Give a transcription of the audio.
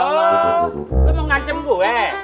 insya allah lo mau ngancam gue